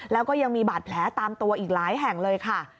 แล้วก็ยังมีบาดแผลตามตัวอีกหลายแห่งเลยค่ะ